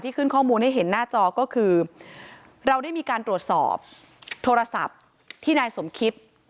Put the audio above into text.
ขึ้นข้อมูลให้เห็นหน้าจอก็คือเราได้มีการตรวจสอบโทรศัพท์ที่นายสมคิต